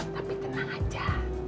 tapi tenang saja